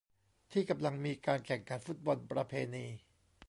ที่กำลังมีการแข่งขันฟุตบอลประเพณี